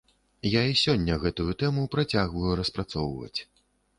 Я і сёння гэтую тэму працягваю распрацоўваць.